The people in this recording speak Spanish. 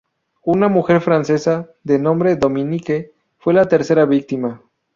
Una mujer francesa, de nombre Dominique, fue la tercera víctima.